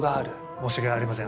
申し訳ありません。